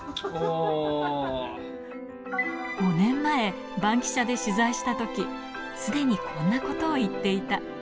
５年前、バンキシャで取材したとき、すでにこんなことを言っていた。